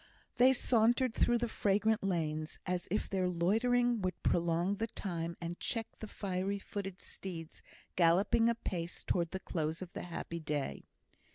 They sauntered through the fragrant lanes, as if their loitering would prolong the time, and check the fiery footed steeds galloping apace towards the close of the happy day.